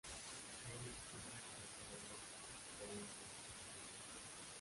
Él le explica que reparó el auto, pero ella lo echa de nuevo.